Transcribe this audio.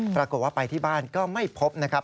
ปรากฏว่าไปที่บ้านก็ไม่พบนะครับ